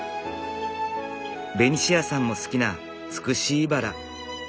ベニシアさんも好きなツクシイバラ。